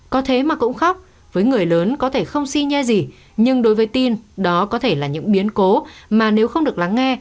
có thế mà cũng khóc với người lớn có thể không xin nghe gì nhưng đối với tin đó có thể là những biến cố mà nếu không được lắng nghe